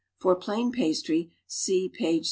For plain pastry see page 00.